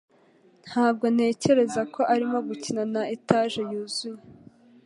Ntabwo ntekereza ko arimo gukina na etage yuzuye.